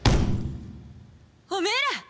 おめえら！